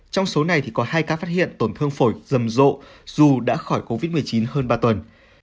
trong số này thì có hai ca phát hiện tổn thương phổi rầm rộ dù đã khỏi covid một mươi chín hơn ba tuần